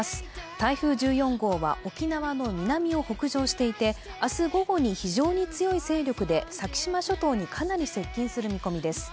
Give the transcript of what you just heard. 台風１４号は沖縄の南を北上していて明日午後に非常に強い勢力で先島諸島にかなり接近する見込みです。